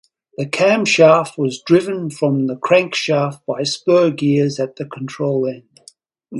The camshaft was driven from the crankshaft by spur gears at the control end.